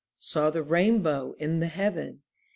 Saw the rainbow in the heaven.